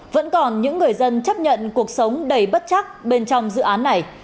vẫn còn những người dân chấp nhận cuộc sống đầy bất chắc bên trong dự án này